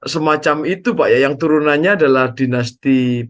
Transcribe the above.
semacam itu ya pak yang turunannya adalah dinasti politik gitu